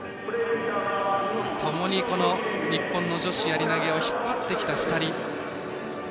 ともに日本の女子やり投げを引っ張ってきた２人。